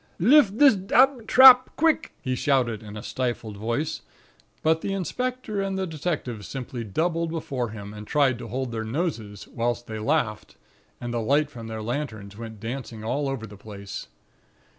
"'Lift thig dam trap, quig!' he shouted in a stifled voice; but the inspector and the detective simply doubled before him, and tried to hold their noses, whilst they laughed, and the light from their lanterns went dancing all over the place.